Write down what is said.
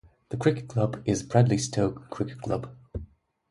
The cricket club is Bradley Stoke Cricket Club.